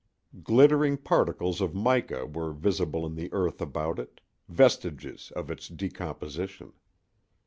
Glittering particles of mica were visible in the earth about it—vestiges of its decomposition.